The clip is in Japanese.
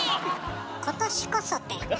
「今年こそ」て。